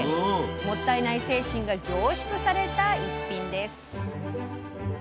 もったいない精神が凝縮された一品です。